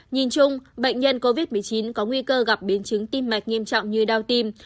nhìn chung bệnh nhân covid một mươi chín có nguy cơ gặp biến chứng tim mạch nghiêm trọng như đau tim